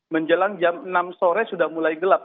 menjelang jam enam sore sudah mulai gelap